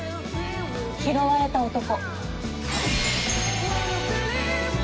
「拾われた男」。